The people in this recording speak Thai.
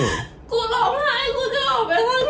กูร้องไห้กูจะออกไปข้าง